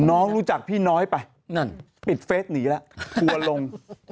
น้องรู้จักพี่น้อยไปปิดเฟสหนีละทัวลง